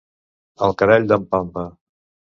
Al carall d'en Pampa.